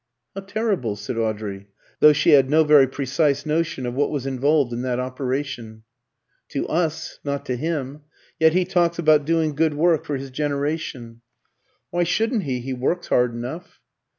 "How terrible!" said Audrey, though she had no very precise notion of what was involved in that operation. "To us not to him. Yet he talks about doing good work for his generation." "Why shouldn't he? He works hard enough."